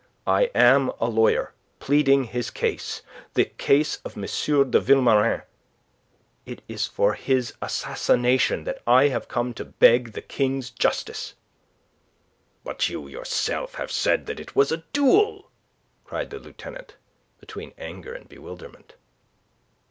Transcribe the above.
I am a lawyer, pleading a case the case of M. de Vilmorin. It is for his assassination that I have come to beg the King's justice." "But you yourself have said that it was a duel!" cried the Lieutenant, between anger and bewilderment.